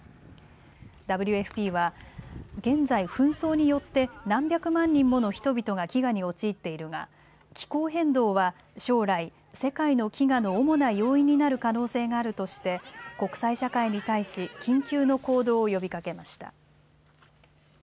ＷＦＰは現在、紛争によって何百万人もの人々が飢餓に陥っているが気候変動は将来、世界の飢餓の主な要因になる可能性があるとして国際社会に対し緊急の行動を呼びかけました。